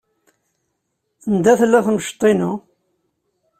Anda tella temceḍt-inu?